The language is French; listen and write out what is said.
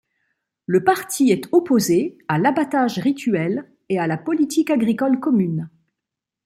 Le parti est opposé à l'abattage rituel et à la politique agricole commune.